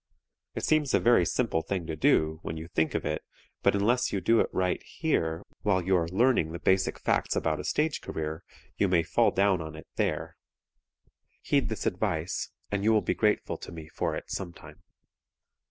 It seems a very simple thing to do, when you think of it, but unless you do it right here, while you are learning the basic facts about a stage career, you may fall down on it there. Heed this advice, and you will be grateful to me for it sometime.